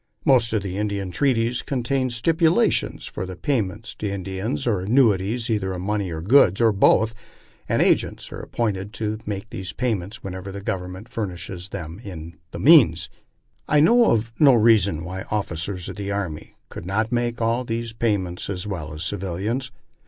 " Most of the Indian treaties contain stipulations for the payment to Indians m annuities, either in money or goods, or both, and agents are appointed to make these payments whenever Government furnishes them the means. I know of no reason why officers of the army could not make all these payments as well as civilians.